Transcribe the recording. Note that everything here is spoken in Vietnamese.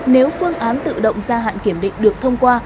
nếu phương án tự động gia hạn kiểm định được thông qua